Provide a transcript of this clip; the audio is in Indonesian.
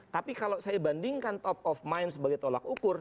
tapi kalau saya bandingkan top of mind sebagai tolak ukur